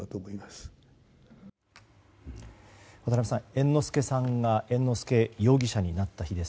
猿之助さんが猿之助容疑者になった日です。